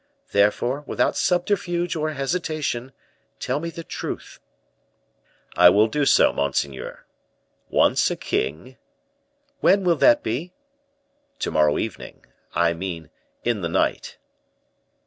Therefore, without subterfuge or hesitation, tell me the truth " "I will do so, monseigneur. Once a king " "When will that be?" "To morrow evening I mean in the night."